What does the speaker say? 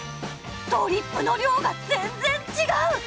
ドリップの量が全然違う！